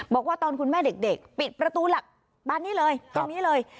บอกว่าตอนคุณแม่เด็กปิดประตูหลักบานนี้เลยตรงนี้เลย